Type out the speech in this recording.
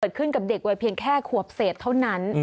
เกิดขึ้นกับเด็กไว้เพียงแค่ขวบเศษเท่านั้น